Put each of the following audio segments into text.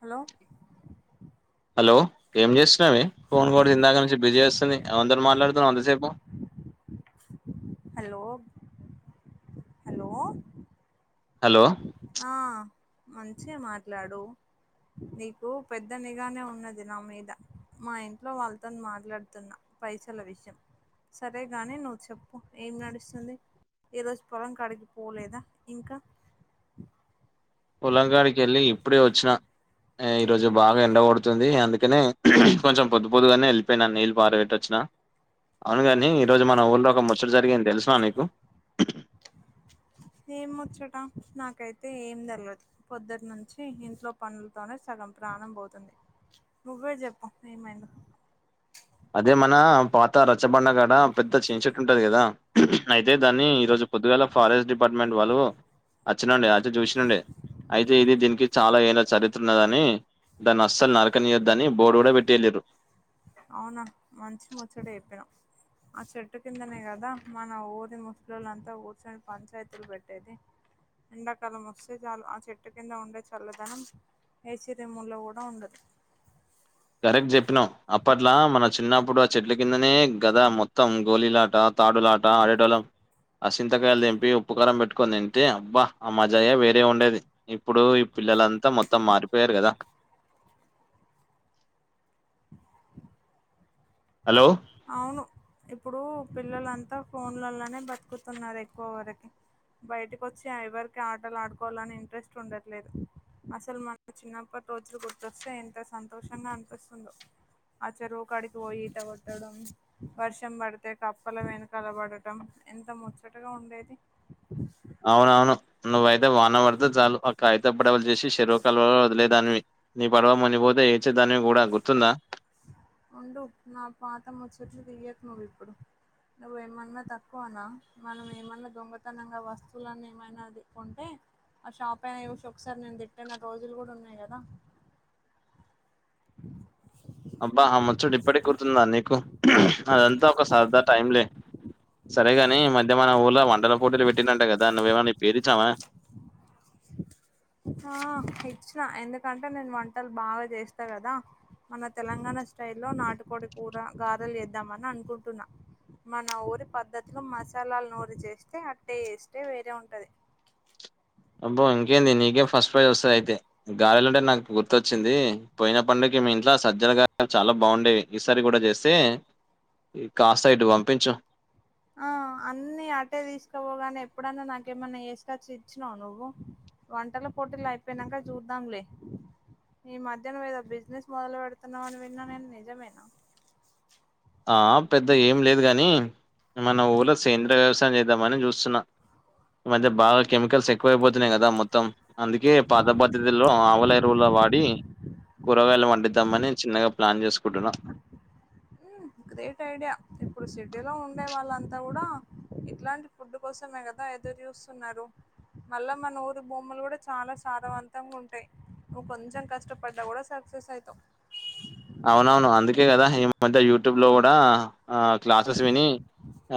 Hello hello ఏం చేస్తున్నావే phone కూడా ఇందాక నుంచి బిజీ వస్తుంది ఎవనితోని మాట్లాడుతున్నావ్ అంతసేపు హలో హలో హలో ఆ మంచిే మాట్లాడు నీకు పెద్ద నిఘానే ఉన్నది నా మీద మా ఇంట్లో వాళ్ళతోని మాట్లాడుతున్నా పైసల విషయం సరేగాని నువ్వు చెప్పు ఏం నడుస్తుంది ఈ రోజు పొలం కాడిగి పోలేదా ఇంక పొలంగాడికి ఎళ్ళి ఇప్పుడే వచ్చిన ఈరోోజు బాగా ఎండగొడుతుంది అందుకనే కొంచెం పొద్దు పొద్దుగానే ఎళ్ళిపోయినా నీళ్ళు పారు పెట్టొచ్చినా అవునుగాని ఈరోోజు మన ఊళ్ళో ఒక ముచ్ చ్చట జరిగింది తెలుసా నీకు ఏం ముచ్చట నాకైతే ఏం తెలవదు పొద్దుటి నుంచి ఇంట్లో పనులతోనే సగం ప్రాణం పోతుంది నువ్వే చెప్పు ఏమైందో అదే మనా పాత రచ్చబండ గడ పెద్ద చిన్చెట్టు ఉంటది కదా అయితే దాన్ని ఈరోోజు పొద్దుగాేల ఫారెస్ట్ డిపార్ట్మెంట్ వాళ్ళు అచ్చినుండె అచ్చి చూసినుండే అయితే ఇది దీనికి చాలా ఏల్లా చరి త్రున్నదని దాన్ని అస్సలు నరకనియద్దు అని బోర్డు కూడా పెట్టి ఎల్లిర్రు అవునా మంచి ముచ్చట చెప్పినా ఆ చెట్టు కిందనే కదా మన ఊరి ముసలోళ్లంతా కూర్చొని పంచాయతీలు పెట్టేది ఎండాకాలం వస్తే చాలు ఆ చెట్టు కింద ఉండే చల్లదనం ఏసి రూముల్లో కూడా ఉండదు కరెక్ట్ చెప్పినావ్ అప్పట్లా మన చిన్నప్పుడు ఆ చెట్ల కిందనే గద మొత్తం గోలీలాట తాడులాట ఆడేటోలం ఆసింతకాయలు దెంపి ఉప్పుకారం పెట్టుకొని దింటే అబ్బ ఆ మాజాయే వేరే ఉండేది ఇప్పుడు ఈ పిల్లలంతా మొత్తం మారిపోయారు కదా హలో అవును ఇప్పుడు పిల్లలంతా ఫోన్లలోనే బతుకుతున్నారు ఎక్కువ వరకి బయటకొచ్చి ఐవరికి ఆటలు ఆడుకోవాలని ఇంట్రెస్ట్ ఉండట్లేదు అసలు మన చిన్నప్పట్రోజులు గుర్తొస్తే ఎంత సంతోషంగా అనిపిస్తుందో ఆ చెరువు కాడికి పోయి ఈత కొట్ ట్టడం వర్షం పడితే కప్పల వెనకాల పడటం ఎంత ముచ్చటగా ఉండేది అవునవును నువ్వయితే వాన పడితే చాలు అ కాయితపడవులు చేషి షెరువు కాల వదిలేదు దానివి నీ పడవ మునిగిపోతే ఏచే దానివి కూడా గుర్తుందా ఉండు నా పాత ముచ్చట్లు దియకు నువ్వు ఇప్పుడు నువ్వ ఏమన్నా తక్కువనా మనం ఏమన్నా దొంగతనంగా వస్తువులన్న ఏమైనా అది కొంటే ఆ షాప్ ఆయనా చూషి ఒకసారి నిను తిట్టిన రోజులు కూడా ఉన్నాయి కదా అ అబ్బా ఆ ముచ్చడ ఇప్పటి గుర్తుందా నీకు అదంతా ఒక సరదా టైంలే సరేగాని ఈ మధ్య మన ఊల వంటల పోటీలు పెట్టినంట కదా నువ్వేవా నీపేరిచ్చావా ఆ ఇచ్చిన ఎందుకంటే నేను వంటలు బాగా చేస్తా కదా మన తెలంగాణ స్టైల్లో నాటుకోడి కూర గారెలు చేద్దామని అనుకుంటున్నా మన ఊరి పద్ధతిలో మసాలాలు నూరి చేస్తే ఆ టేస్టే వేరే ఉంటది అబ్బో ఇంకేంది నీకే ఫస్ట్ ప్రైజ్ వస్తది అయితే గారెలోంటే నాకు గుర్తొచ్చింది పోయిన పండకి మీ ఇంట్లో సజ్జలు గారెలు చాలా బాగుండేవి ఈసారి కూడా చేస్తే కాస్త ఇటు పంపించు ఆ అన్ని అటే తీసుకపో గానీ ఎప్పుడన్నా నాకేమన్నా చేసుకచ్చి ఇచ్చినావ నువ్వు వంటల పోటీలు అయిపోయినాక చూదాంలే ఈ మధ్యన ఏదో బిజినెస్ మొదలు పెడుతున్నావు అని విన్నా నేను నిజమేన ఆ పెద్ద ఏం లేదు కానీ మన ఊళ్ళో సేంద్రీయ వ్యవసాయం చేద్దామని చూస్తున్న ఈ మధ్య బాగ కెమికల్స్ ఎక్కువైపోతున్నాయి కదా మొత్తం అందుకే పాత పద్ధతుల్లో ఆవుల ఎరువులు వాడి కూరగాయలు [unintelligible] ద్దామని చిన్నగా ప్లాన్ చేసుకుంటున్న ఉమ్ గ్రేట్ ఐడియా ఇప్పుడు సిటీలో ఉండే వాళ్ళంత కూడ ఇట్లాంటి ఫుడ్ కోసమే కదా ఎదురు చూస్తున్నారు మళ్ళా మనూరు భూములు కూడ చాల సారవంతంగ ఉంటాయ్ నువ్ కొంచెం కష్టపడ్డ కూడ సక్సెస్ అయితావు అవునవును అందుకే కదా ఈ మధ్య యూట్యూబ్ లో కూడ ఆ క్లాసెస్ విని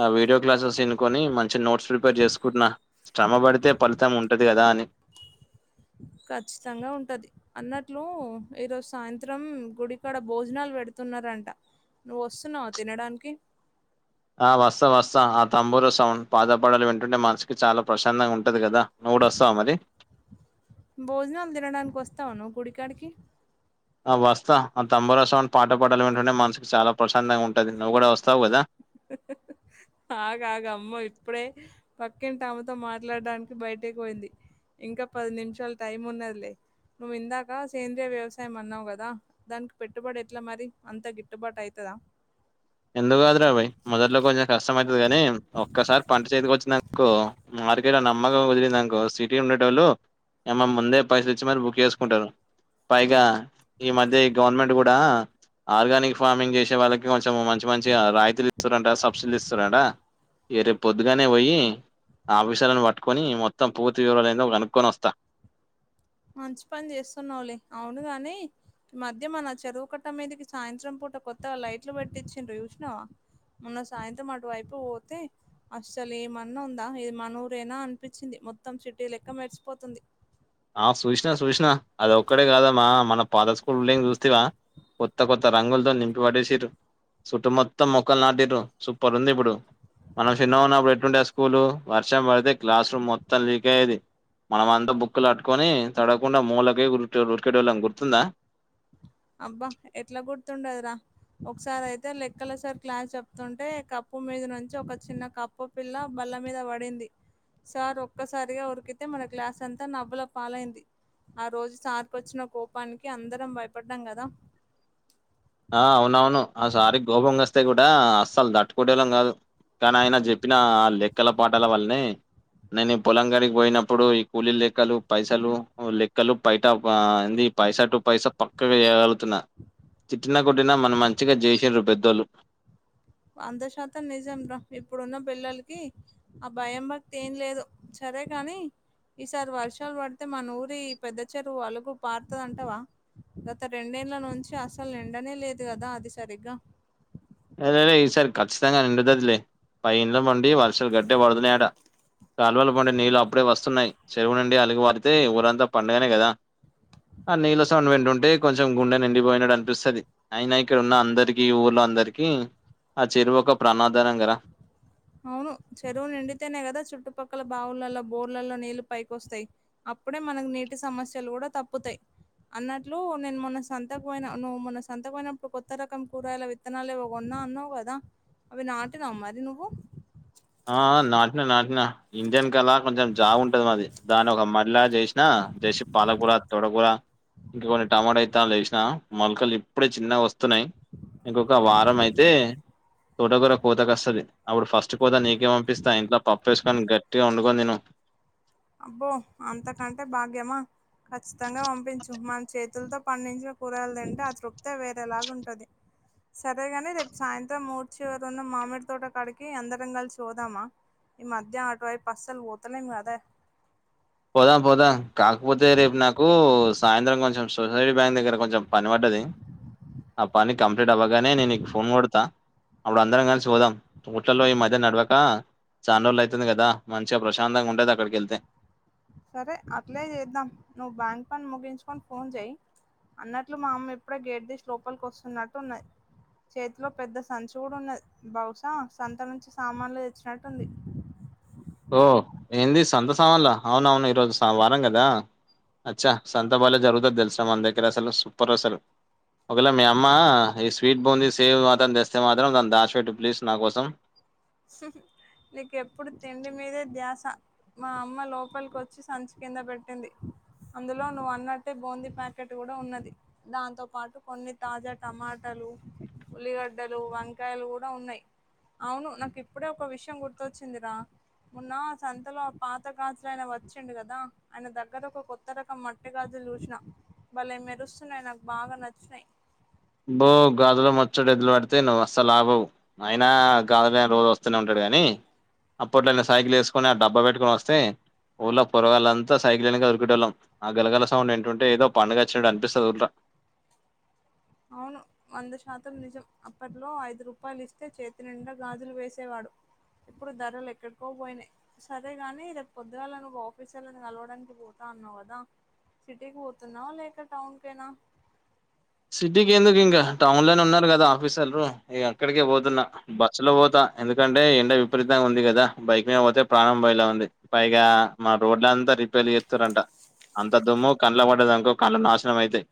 ఆ వీడియో క్లాసెస్ వినుకొని మం మంచి నోట్స్ ప్రిపేర్ చేసుకుంటున శ్రమ పడితే ఫలితం ఉంటది కదా అని ఖచ్చితంగ ఉంటది అన్నట్లు ఈరోజు సాయంత్రం గుడికాడ భోజనాలు పెడుతున్నారంట నువ్వు వస్తున్నావ తినడానికి ఆ వస్తా వస్తా ఆ తంబూరు సౌండ్ పాద పాటలు వింటుంటే మనసుకి చాలా ప్రశాంతంగా ఉంటుంది కదా నువ్ కూడ వస్తావ మరి భోజనాలు తినడానికి వస్తావ నువ్వు గుడికాడికి ఆ వస్తా ఆ తంబూరాసౌండ్ పాత పాటలు వింటుంటే మనసుకి చాలా ప్రశాంతంగా ఉంటుంది నువ్వు కూడా వస్తావు కదా [unintelligible] అగు అగు అమ్మ ఇప్పుడే పక్కింటి ఆమతో మాట్లాడడానికి బయటకి పోయింది ఇంకా పది నిమిషాలు టైం ఉన్నదిలే నువ్వు ఇందాక సేంద్రీయ వ్యవసాయం అన్నావు కద దానికి పెట్టుబడి ఎట్ల మరి అంత గిట్టుబాటు అయితద ఎందుకు కాదురా బయి మొదట్లో కొంచెం కష్టమయితది కానీ ఒక్కసారి పంట చేతికి వచ్చిందనుకో మార్కెట్లో నమ్మకం కుదిరిందనుకో సిటీ ఉండేటోళ్ళు ఏమ ముందే పైసలు ఇచ్చి మరీ బుక్ చేసుకుంటారు పైగ ఈ మధ్య ఈ గవర్నమెంట్ కూడ ఆర్గానిక్ ఫార్మింగ్ చేసే వాళ్ళకి కొంచెం మం మంచి మంచి రాయితీలు ఇస్తారంట సబ్సిడీలు ఇస్తారట ఈ రేపు పొద్దుగానే పోయి ఆఫీషాలను పట్టుకొని మొత్తం పూర్తి వివరలు ఏదో కనుక్కొని వస్తా మంచి పని చేస్తున్నావ్లే అవును గాని మధ్య మన చెరువు కట్ట మీదకి సాయంత్రం పూట కొత్తగా లైట్లు పెట్టిచ్చిండ్రు చూషినవ మొన్న సాయంత్రం అటువైపు పోతే అస్సలు ఏమన్నా ఉందా ఇది మన ఊరేన అనిపించింది మొత్తం సిటీ లెక్క మెరిసిపోతుంది ఆ సూష్ణ సూష్ణ అది ఒక్కడే కాదమ్మా మన పాత స్కూల్ లేని చూస్తేవ కొత్త కొత్త రంగులతో నింపి పడేసిరు చుట్టు మొత్తం మొక్కలు నాటిరు సూపర్ ఉంది ఇప్పుడు మనం చిన్నగున్నప్పుడు ఎట్టుండే స్కూలు వర్షం పడితే క్లాస్ రూమ్ మొత్తం లీక్ అయ్యేది మనం అంత బుక్కులుట్టుకొని తడవకుండా మూలక ఉరికేటోళ్ళం గుర్తుందా అబ్బ ఎట్లా గుర్తుండదుర ఒకసారి అయితే లెక్కల సార్ క్లాస్ చెప్తుంటే కప్పు మీద నుంచి ఒక చిన్న కప్ప పిల్ల బల్ల మీద పడింది సార్ ఒక్కసారిగా ఉరికితే మన క్లాస్ అంత నవ్వుల పాలైంది ఆ రోజు సార్కొచ్చిన కోపానికి అందరం భయపడ్డాం కద ఆ అవునవును ఆసారి గోపంగొస్తే కూడ అస్సలు దట్టుకుట్టేళ్ళం కాదు కానీ ఆయన చెప్పిన ఆ లెక్కల పాటాల వలనే నేను ఈ పొలం కాడికి పోయినప్పుడు ఈ కూలీల లెక్కలు పైసలు లెక్కలు బైట వా ఏంది పైసా టు పైసా పక్కగా వేయగలుతున్నా తిట్టిన కొట్టిన మన మంచికి చేసిన్రు పెద్దోళ్ళు వంద శాతం నిజం రా ఇప్పుడున్న పిల్లలకి ఆ భయం భక్తి ఏం లేదు సరే గాని ఈసారి వర్షాలు పడితే మనూరి ఈ పెద్ద చెరువు అలుగు పారతదంటావా గత రెండేళ్ళ నుంచి అసలు నిండనే లేదు కదా అది సరిగ్గా ఏయ్ ఈ సారి ఖచ్చితంగా నిండుతదిలే పై ఇండ్లు పండి వర్షాలు గట్టిగా పడుతున్నాయి అట కాలువలు పండే నీళ్ళలు అప్పుడే వస్తున్నాయి చెరువు నుండి అలుగు పారితే ఊరంతా పండేనే కదా ఆ నీళ్ళ సౌండ్ వింటుంటే కొంచెం గుండె నిండిపోయినటు అనిపిస్తది ఆయిన ఇక్కడ ఉన్న అందరికి ఊర్లో అందరికి ఆ చెరువు ఒక ప్రణాదానం గదా అవును చెరువు నిండితేనే కదా చుట్టుపక్కల బావులలో బోర్లలో నీళ్లు పైకొస్తాయి అప్పుడే మనకు నీటి సమస్యలు కూడా తప్పుతాయి అన్నట్లు నేను మొన్న సంతకు పోయిన నువ్వు సంతకు పోయినప్పుడు కొత్త రకం కూరగాయలవి విత్తనాలు ఏవో కొన్నా అన్నావు కదా అవి నాటినావ మరి నువ్వు ఆ నాటినా నాటినా ఇండియన్ కదా కొంచెం జాగుంటది మాది దాన్ని ఒక మళ్ళ చేసినా చేసి పాలకూర తొటకూర ఇగ కొన్ని టమాటా విత్తనాలు ఏసినా మొలకలి ఇప్పుడే చిన్నగ వస్తున్నాయి ఇంకొక వారం అయితే తోట కూర కోత కస్తది అప్పుడు ఫస్ట్ కోత నీకే పంపిస్తా ఇంట్ల పప్పేసుకో కానీ గట్టిగా వండుకోని తిను అబ్బో అంతకంటే భాగ్యమా ఖచ్చితంగా పంపించు మన చేతులతో పండించిన కూరగాయలు తింటే ఆ తృప్తే వేరే లాగా ఉంటది సరేగాని రేపు సాయంత్రం ఊరి చివర ఉన్న మామిడి తోట కాడికి అందరం కలిసి పొదామా ఈ మధ్య ఆటు అస్సలు పోతలేం కదా పోదాం పోదాం కాకపోతే రేపు నాకు సాయంత్రం కొంచం సొసైటీ బ్యాంక్ దగ్గర కొంచెం పని పడ్డది ఆ పని కంప్లీట్ అవ్వగానే నేను నికు ఫోన్ కొడతా అప్పుడు అందరం కలిసి పొదాం ఊట్లల్లో ఈ మధ్య నడవక చానా రోజుల్లు అయితుంది గదా మంచిగా ప్రశాంతగా ఉండేది అక్కడికి వెళ్తే సరే అట్లే చేద్దాం నువ్వు బ్యాంక్ పని ముగించుకొని ఫోన్ చెయ్ అన్నట్లు మా అమ్మ ఇప్పుడే గేట్ దీసి లోపలికి వస్తున్నట్టు ఉన్నది చేతిలో పెద్ద సంచి కూడా ఉన్నది బహుశా సంత నుంచి సామాన్లు తెచ్చినట్టుంది ఓ ఏంది సంత సామాన్ల అవునవును ఈరోజు సోమవారం కదా అచ్చా సంత బలే జరుగుతది తెలుసా మన దగ్గర అసలు సూపర్ అసలు ఒక వేల మీ అమ్మ ఈ స్వీట్ బూంది సేవ్ మాత్రం తెస్తే మాత్రం దాన్ని దాచిబెట్టు ప్లీజ్ నా కోసం నీకెప్పుడు తిండి మీదే ధ్యాస మా అమ్మ లోపలికి వచ్చి సంచి కింద పెట్టింది అందులో నువ్వు అన్నట్టే బూందీ ప్యాకెట్ కూడా ఉన్నది దాంతో పాటు కొన్ని తాజా టమాటలు ఉల్లిగడ్డలు వంకాయలు కూడా ఉన్నాయి అవును నాకు ఇప్పుడే ఒక విషయం గుర్తొచ్చిందిరా ఉన్న సంతలో పాత గాజులాయన వచ్చిండు కదా ఆయన దగ్గర ఒక కొత్త రకం మట్టి గాజులు చూసిన బలే మెరుస్తున్నాయి నాకు బాగా నచ్చినాయి బో గాజులో మోచ్చడి ఎద్దులు పడితే నువ్వు అసలు అభవు అయినా గాజులు అయన రోజు వస్తునే ఉం డు గాని అప్పట్లో అయన సైకిల్ వేసుకొని ఆ డబ్బా పెట్టుకొని వస్తే. ఊళ్ళ పొరగలంతా సైకిల్ వెనుక ఉరికెటోళ్ళం ఆ గలగల సౌండ్ ఇంటుంటే ఏదో పడుగ వచ్చినట్టు అనిపిస్తుంది ఊర్లో. అవును వంద శాతం నిజం అప్పట్లో ఐదు రూపాయలు ఇస్తే చేతి నిండా గాజులు వేసేవాడు. ఇప్పుడు ధరలు ఎక్కడికో పోయినాయి. సరే గాని రేపు పొద్దుగాళ గా ఆఫీస్ లోను కలవడానికి పోతా అన్నావు గదా. సిటీకి పోతున్నా లేక టాౌన్ కెనా. సిటీకి ఎందుకు ఇంకా టౌన్ లోనే ఉన్నారు కదా ఆఫీసలరు ఇ అక్కడికే పోతున్నా. బస్సు లో పోతా ఎందుకంటే ఎండ విపరీతంగా ఉంది కదా బైక్ మీద పోతే ప్రాణం బయలా ఉంది పైగా మా రోడ్లంతా రిపేర్ చేత్తురంట అంత దుమ్ము కళ్లో పడ్డదనుకో కళ్ళు నాశనం అయితాయి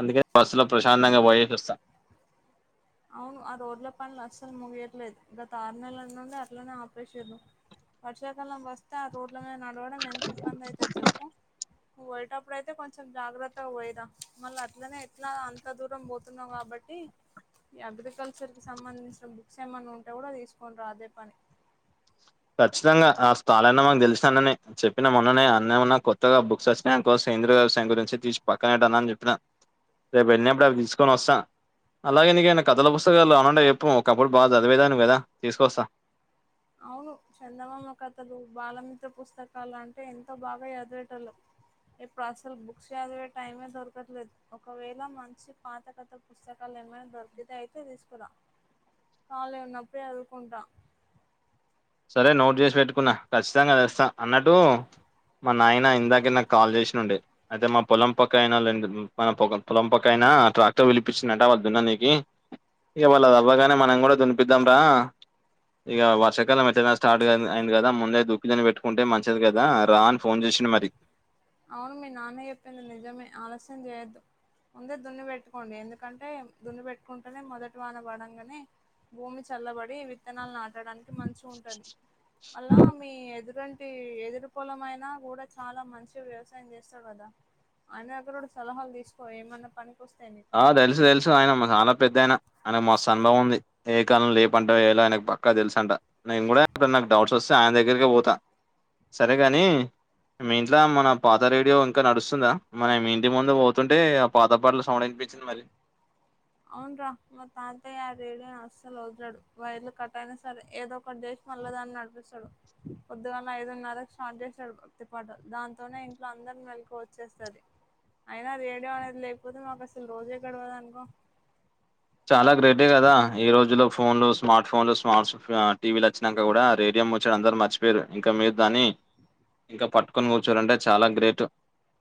అందుకే బస్సులో ప్రశాంతంగా వైయేస్స్తాం. అవును ఆ రోడ్ల పనులు అస్సలు ముగియర్లేదు గత ఆరు నెలందడి అట్లనే ఆపరేష వర్షాకాలం వస్తే ఆ రోడ్ల మీద నడవడం ఎంత ఇబ్బంది అయితది చెప్పు పోయేటప్పుడు అయితే కొంచెం జాగ్రత్తగా పోయదా మళ్ళీ అట్లనే ఎట్లా అంత దూరం పోతు. తున్నా కాబట్టి ఈ అగ్రికల్చర్ కి సంబంధించిన బుక్స్ ఏమైన్నా ఉంటా కూడా తీసుకోని రా అదే పని. ఖచ్చితంగా ఆ స్థాలనా మాకు తెలిసా అన్నానే చెప్పిన మొన్ననే అన్నేమొన్నా కొత్తగా బుక్స్ వచ్చిన కోసం సేంద్రియ వ్యవసాయం గురించి తీచ్చి పక్కననే పెట్ట అని చెప్పాను రేపు వెళ్ళినప్పుడు అవి తీసుకొని వస్తాను అలాగే నీకేై కథల పుస్తకాలు అనంట చెప్పుం ఒకప్పుడు బాగా చదివేదాని కదా తీసుకస్తా అవును చందమామ కథలు బాలమిత్ర పుస్తకాలు అంటే ఎంతో బాగా ఎదివిటెల్లు ఇప్పుడు అసలు బుక్స్ చదివే టైమే దొరకట్లేదు ఒకవేళ మంచి పాత కథ. పుస్తకాలు ఏమైనా దొరికితే అయితే తీసుకురాం ఖళీ ఉన్నప్పుడే చదువుకుంటాం సరే నోట్ చేసి పెట్టుకున్నా ఖచ్చితంగా అది ఇస్తా అన్నాట్టు. మా నాయన ఇందాక నాకు కాల్ చేసినండే. అయితే మా పొలం పక్క అయినా మన పొ పొలం పక్క అయినా ట్రాక్టర్ పిలిపించిందట్ట వాళ్ళ దున్నా నీనికి ఇ వాళ్ళ అవ్వగానే మనం కూడా దునిపిద్దాం రా ఇగా వర్షాకాలం స్టార్ట్ అంది కదా ముందే దుక్కిిని పెట్టుకుంటే మంచిది గదా రా అని ఫోన్ చేసింది మరి. అవును మీ నాన్న చెప్పింది నిజమే ఆలస్యం చేయొద్దు. ముందే దున్ని పెట్టుకోండి ఎందుకంటే దున్ని పెట్టుకుంటేనే మొదటి వాన పడంగానే భూమి చల్లబడి విత్తనాలు నాటడానికి మంచిగా ఉంటది అళ్లా మీ ఎదురంటి ఎదురు పొలం అయినా కూడా చాలా మంచి. వ్యవసాయం చేస్తాడు గదా ఆయన దగ్గర సలహాలు తీసుకో ఏమన్నా పనికి వస్తాయి నీకు అ తెలుసు తెలుస్. ఆయన చాలా పెద్దయిన ఆనకు మస్తు అనుభవం ఉంది ఏ కాలంలో ఏం పంట వేయాలని ఆయనకు పక్కా తెలుసు అంట నేను కూడా ఇప్పుడు నాకు డౌట్స్ వస్తే ఆయ దగ్గరే పోతాను సరే గాని మీ ఇంట్లో మన పాత రేడియో ఇంకా నడుస్తుందా మన ఇంటి ముందు పో. తుంటే ఆ పాత పాటలు సౌండ్ అనిపించింది మరి. అవున రా మా తాతయ్య ఆ రేడియోని అస్సలు వదాడు వైర్లు కట్ట అయినా సరే ఏదో ఒకటి. మళ్ళా దాన్ని నడిపిస్తాడు పొద్దుగాల ఐదున్నర స్టార్ట్ చేసాడు తప్తి పాట దాంతోనే ఇంట్లో అందరిని వెెళ్కువ వచ్చేస్తుది అయినా అది రేడియో అనేది లేకపోతే మాకు అసలు రోజే గడవద అనుకో చాలా గ్రేటే గదా ఈ రోజు లో ఫోన్లు వ. స్మార్ట్ ఫోన్లు స్మార్ట్ టీవీలు వచ్చాక కూడా రేడియం ముచ్చాడు అందరు మర్చిపోయారు ఇంకా మీరు దాని ఇంకా పట్టుకొని కూర్చోలాంటె చాలా గ్రేట్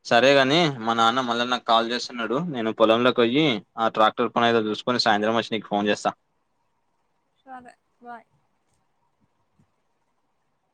సరే గని మా నాన్న మళ్ళా నాకు కాల్ చేస్తున్నడు నేను పొలంలోకి పోయి ఆ ట్రాక్టర్ పనేదో చూస్ కొన్ని సాయంత్రం వచ్చి ఫోన్ చేస్తా సరే బాయ్